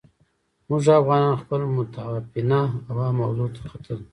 موږ افغانان خپل متعفنه هوا مغزو ته ختلې.